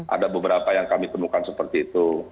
ada beberapa yang kami temukan seperti itu